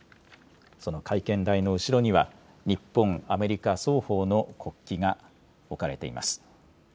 その会見台の後ろには、日本、アメリカ双方の国旗が置かれています。